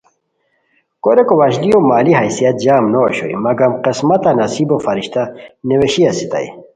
کوریکی وشلیو مالی حیثیت جم نو اوشوئے مگم قسمتہ نصیبو فرشتہ نیویشی استائے